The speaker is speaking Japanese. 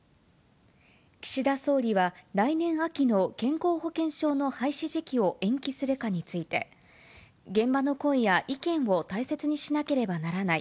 岸田総理は、来年秋の健康保険証の廃止時期を延期するかについて、現場の声や意見を大切にしなければならない。